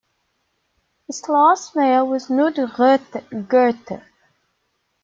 Its last mayor was Knud Gerther.